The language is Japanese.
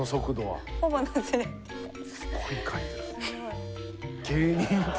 すごい書いてます。